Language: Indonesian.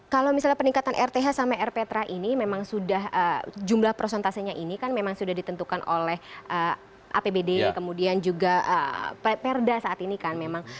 kalau misalnya peningkatan rth sama rptra ini memang sudah jumlah prosentasenya ini kan memang sudah ditentukan oleh apbd kemudian juga perda saat ini kan memang